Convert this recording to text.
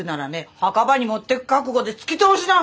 墓場に持ってく覚悟でつき通しな！